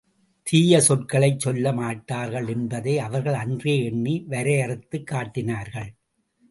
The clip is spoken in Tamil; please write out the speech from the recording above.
தீய சொற்களைச் சொல்ல மாட்டார்கள் என்பதை அவர்கள் அன்றே எண்ணி, வரையறுத்துக் காட்டினார்கள்.